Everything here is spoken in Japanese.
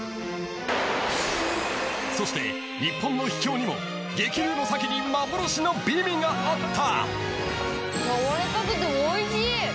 ［そして日本の秘境にも激流の先に幻の美味があった］